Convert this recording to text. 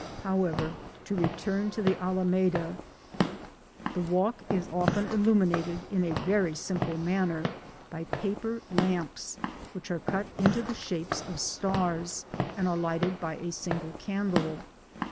However, to return to the Alameda :— the walk is often illuminated in a very simple manner by paper lamps, which are tut into the shapes of stars, ahd are lightfed by a single candle.